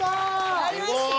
やりました。